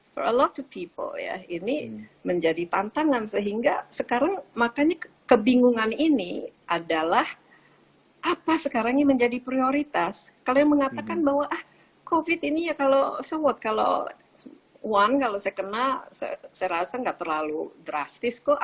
for a lot of people ya ini menjadi tantangan sehingga sekarang makanya kebingungan ini adalah apa sekarang ini menjadi prioritas kalian mengatakan bahwa covid ini ya kalau so what kalau one kalau saya kena saya rasa nggak terlalu drastis atau ya kalau if i die ya everything will be fine